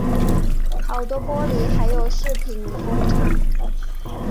好多玻璃还有饰品工厂